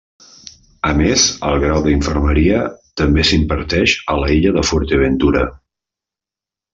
A més, el Grau en Infermeria també s'imparteix a l'illa de Fuerteventura.